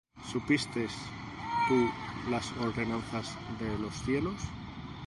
¿Supiste tú las ordenanzas de los cielos?